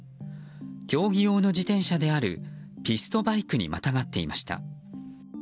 競技用の自転車であるピストバイクにまたがっていました。